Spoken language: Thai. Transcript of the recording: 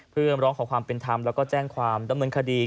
เพื่อร้องขอความเป็นธรรมแล้วก็แจ้งความดำเนินคดี